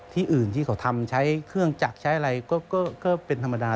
อื่นที่เขาทำใช้เครื่องจักรใช้อะไรก็เป็นธรรมดา